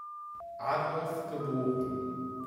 Adolf, geboren.